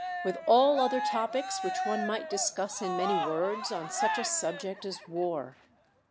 with all other topics which one might discuss in many words, on such a subject as war.